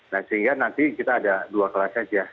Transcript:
nah sehingga nanti kita ada dua kelas saja